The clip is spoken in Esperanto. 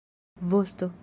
vosto